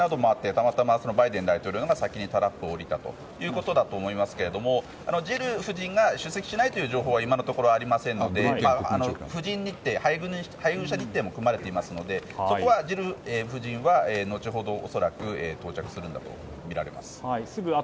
たまたまバイデン大統領が先にタラップを降りたということだと思いますがジル夫人が出席しない情報は今のところありませんので配偶者日程も組まれていますのでそこはジル夫人は後ほど恐らく到着するんだとみられます。